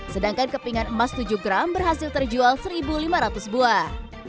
sedangkan kepingan emas tujuh gram berhasil terjual satu lima ratus buah